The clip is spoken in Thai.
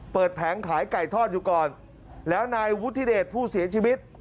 แผงขายไก่ทอดอยู่ก่อนแล้วนายวุฒิเดชผู้เสียชีวิต